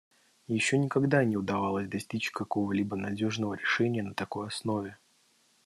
Еще никогда не удавалось достичь какого-либо надежного решения на такой основе.